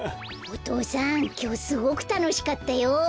お父さんきょうすごくたのしかったよ。